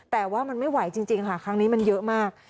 แต่ว่ามันไม่ไหวจริงค่ะครั้งนี้มันเยอะมาก